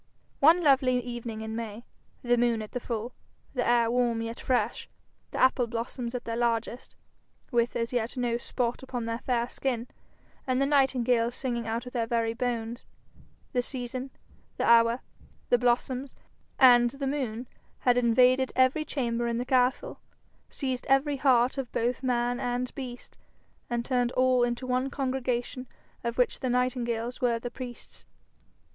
One lovely evening in May, the moon at the full, the air warm yet fresh, the apple blossoms at their largest, with as yet no spot upon their fair skin, and the nightingales singing out of their very bones, the season, the hour, the blossoms, and the moon had invaded every chamber in the castle, seized every heart of both man and beast, and turned all into one congregation of which the nightingales were the priests.